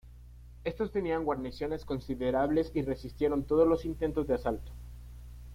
Estos tenían guarniciones considerables y resistieron todos los intentos de asalto.